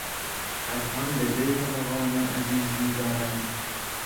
از آن به دیر مغانم عزیز میدارند...